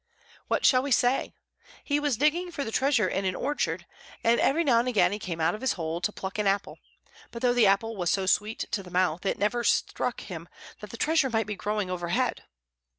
What shall we say? He was digging for the treasure in an orchard, and every now and again he came out of his hole to pluck an apple; but though the apple was so sweet to the mouth, it never struck him that the treasure might be growing overhead.